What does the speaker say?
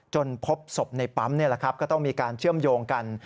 จนพบศพในปั๊มก็ต้องมีการเชื่อมโยงกัน